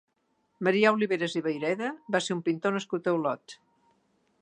Marià Oliveras i Vayreda va ser un pintor nascut a Olot.